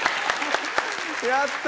やった！